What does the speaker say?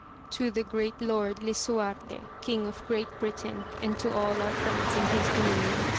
To the great Lord Lisuarte, King of Great Britain, and to all our friends in his dominions.